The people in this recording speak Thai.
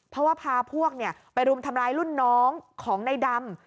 เพราะว่าพาพวกไปรุมทำร้ายรุ่นน้องของในดำ